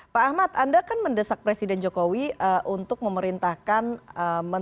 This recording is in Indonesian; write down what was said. pak ahmad anda kan mendesak presiden jokowi untuk memerintahkan menteri